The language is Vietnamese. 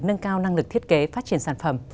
nâng cao năng lực thiết kế phát triển sản phẩm